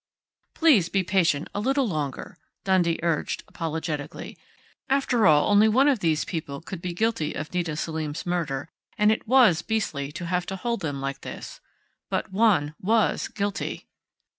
"Please be patient a little longer," Dundee urged apologetically. After all, only one of these people could be guilty of Nita Selim's murder, and it was beastly to have to hold them like this.... _But one was guilty!